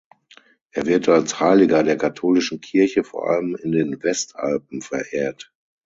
Er wird als Heiliger der katholischen Kirche vor allem in den Westalpen verehrt.